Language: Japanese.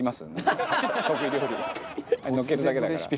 あれのっけるだけだから。